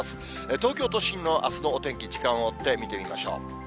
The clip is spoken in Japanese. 東京都心のあすのお天気、時間を追って見てみましょう。